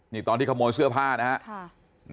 นี่ตอนที่ขโมยเสื้อผ้านะครับ